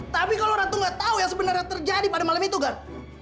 tapi kalau ratu gak tahu yang sebenarnya terjadi pada malam itu kan